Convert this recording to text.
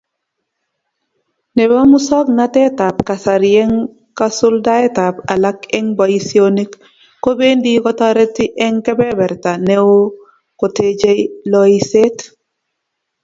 Nebo musoknatetab kasarieng kasuldaetab alak eng boisionik kobendi kotoreti eng kebebert neo kotechei loiseet.